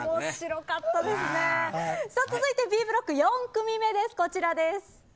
続いてＢブロック４組目こちらです。